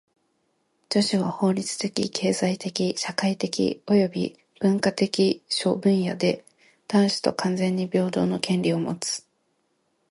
女子は法律的・経済的・社会的および文化的諸分野で男子と完全に平等の権利をもつ。